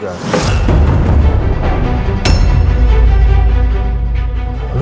tidak ada apa apa